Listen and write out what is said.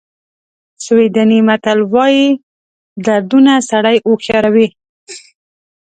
سویډني متل وایي دردونه سړی هوښیاروي.